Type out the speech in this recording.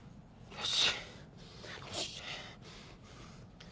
よし。